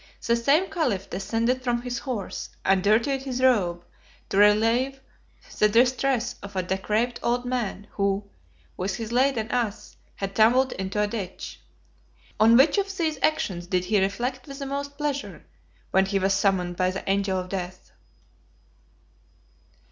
The same caliph descended from his horse, and dirtied his robe, to relieve the distress of a decrepit old man, who, with his laden ass, had tumbled into a ditch. On which of these actions did he reflect with the most pleasure, when he was summoned by the angel of death?